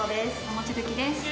望月です